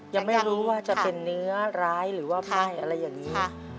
ยังไม่รู้ว่าจะเป็นเนื้อร้ายหรือว่าป้ายอะไรอย่างนี้